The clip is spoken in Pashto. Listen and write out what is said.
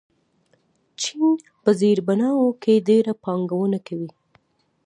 چین په زیربناوو کې ډېره پانګونه کوي.